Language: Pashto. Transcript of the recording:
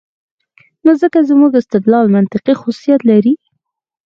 نو ځکه زموږ استدلال منطقي خصوصیت لري.